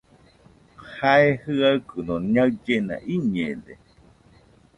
Jae jɨaɨkɨno ñaɨllena iñede.